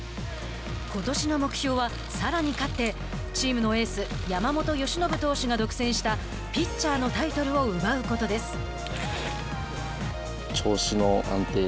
ことしの目標は、さらに勝ってチームのエース山本由伸投手が独占したピッチャーのタイトルを奪うことです。